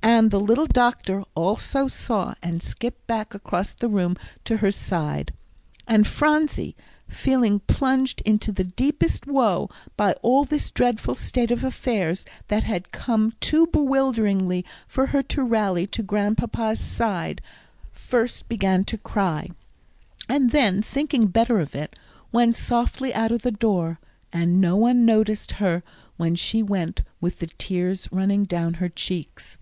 And the little doctor also saw, and skipped back across the room to her side. And Phronsie, feeling plunged into the deepest woe by all this dreadful state of affairs, that had come too bewilderingly for her to rally to Grandpapa's side, first began to cry. And then, thinking better of it, went softly out of the door, and no one noticed her when she went with the tears running down her cheeks.